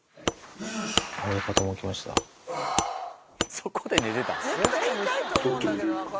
そこで寝てたん？